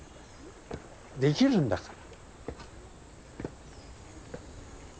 できるんだから。